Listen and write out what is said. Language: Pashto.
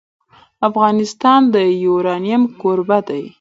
افغانستان د یورانیم کوربه دی.